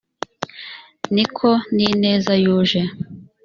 ni ko n ineza yuje